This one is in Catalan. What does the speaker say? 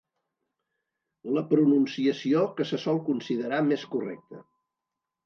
La pronunciació que se sol considerar més correcta.